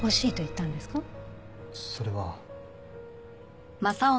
それは。